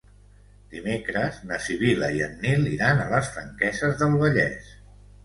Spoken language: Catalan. Dimecres na Sibil·la i en Nil iran a les Franqueses del Vallès.